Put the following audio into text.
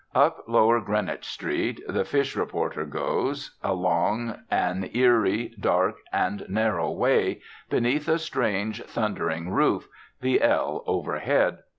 Up lower Greenwich Street the fish reporter goes, along an eerie, dark, and narrow way, beneath a strange, thundering roof, the "L" overhead.